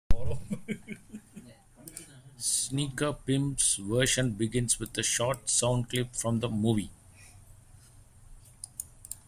Sneaker Pimps' version begins with a short sound clip from the movie.